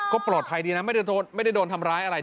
ก็ปลอดภัยดีนะไม่ได้โดนทำร้ายอะไร